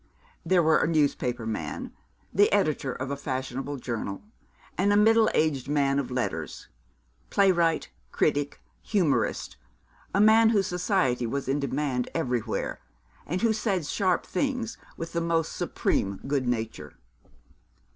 There were a newspaper man the editor of a fashionable journal and a middle aged man of letters, playwright, critic, humourist, a man whose society was in demand everywhere, and who said sharp things with the most supreme good nature.